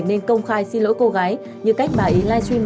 do có việc gia đình